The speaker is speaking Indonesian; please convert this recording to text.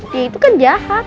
dia itu kan jahat